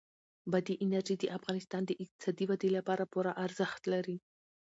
بادي انرژي د افغانستان د اقتصادي ودې لپاره پوره ارزښت لري.